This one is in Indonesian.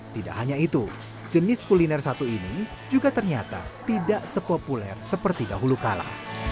tidak hanya itu jenis kuliner satu ini juga ternyata tidak sepopuler seperti dahulu kala